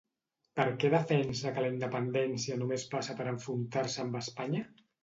Per què defensa que la independència només passa per enfrontar-se amb Espanya?